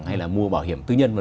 hay là mua bảo hiểm tư nhân v v